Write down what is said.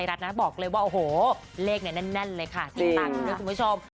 แล้วคุณผู้ชอบ